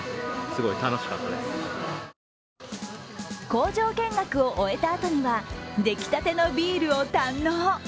工場見学を終えたあとには出来たてのビールを堪能。